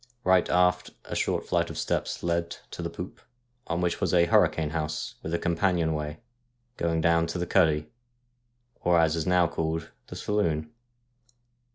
Eight aft a short flight of steps led to the poop, on which was a hurricane house, with a companion way going down to the cuddy, or, as it is now called, the saloon.